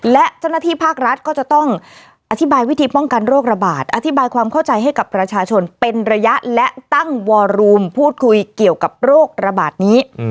และเจ้าหน้าที่ภาครัฐก็จะต้องอธิบายวิธีป้องกันโรคระบาดอธิบายความเข้าใจให้กับประชาชนเป็นระยะและตั้งวอรูมพูดคุยเกี่ยวกับโรคระบาดนี้